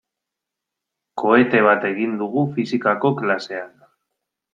Kohete bat egin dugu fisikako klasean.